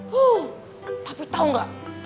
huh tapi tau nggak